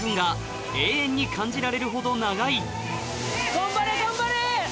頑張れ頑張れ。